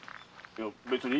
いや別に。